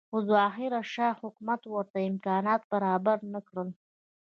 خو ظاهرشاه حکومت ورته امکانات برابر نه کړل.